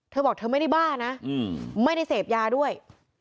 เธอบอกเธอไม่ได้บ้านะไม่ได้เสพยาด้วย